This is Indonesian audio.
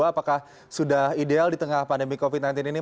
apakah sudah ideal di tengah pandemi covid sembilan belas ini